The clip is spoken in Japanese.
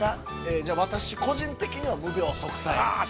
◆じゃあ、私個人的には無病息災。